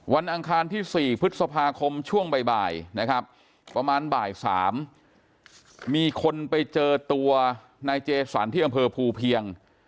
อังคารที่๔พฤษภาคมช่วงบ่ายนะครับประมาณบ่าย๓มีคนไปเจอตัวนายเจสันที่อำเภอภูเพียง